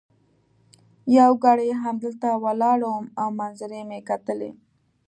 یو ګړی همدلته ولاړ وم او منظرې مي کتلې.